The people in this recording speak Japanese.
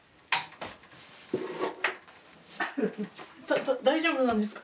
だ大丈夫なんですか？